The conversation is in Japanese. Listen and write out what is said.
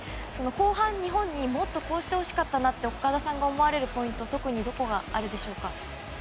後半、日本にもっとこうしてほしかったなと岡田さんが思われるポイントはどこがあるでしょうか？